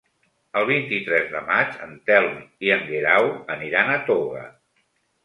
El vint-i-tres de maig en Telm i en Guerau aniran a Toga.